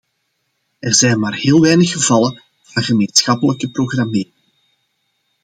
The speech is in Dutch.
Er zijn maar heel weinig gevallen van gemeenschappelijke programmering.